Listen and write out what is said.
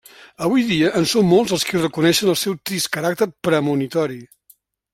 Avui dia, en són molts els qui reconeixen el seu trist caràcter premonitori.